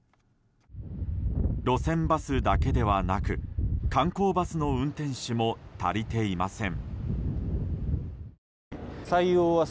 路線バスだけではなく観光バスの運転手も足りていません。